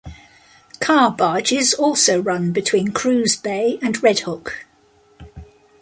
Car barges also run between Cruz Bay and Red Hook.